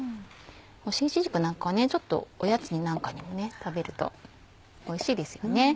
干しいちじくなんかはちょっとおやつになんかにも食べるとおいしいですよね。